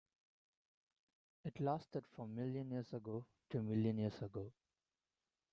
It lasted from million years ago to million years ago.